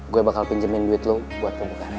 gue bakal pinjemin duit lo buat ke bukares